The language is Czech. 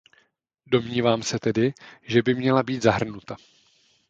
Domnívám se tedy, že by měla být zahrnuta.